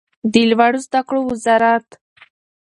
د لوړو زده کړو وزارت